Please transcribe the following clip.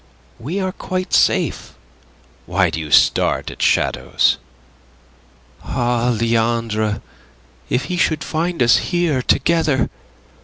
We are quite safe. Why do you start at shadows?" "Ah, Leandre, if he should find us here together!